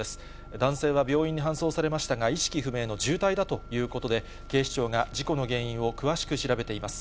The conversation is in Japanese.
男性は病院に搬送されましたが、意識不明の重体だということで、警視庁が事故の原因を詳しく調べています。